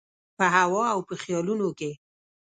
په هوا او په خیالونو کي